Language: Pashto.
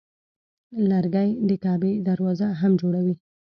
لرګی د کعبې دروازه هم جوړوي.